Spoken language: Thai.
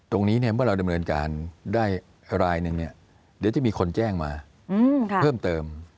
ตรงนี้เมื่อเราดำเนินการได้รายหนึ่งเดี๋ยวจะมีคนแจ้งมาเพิ่มเติม